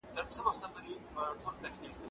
دوی به خپلې څېړنې بشپړې کړې وي.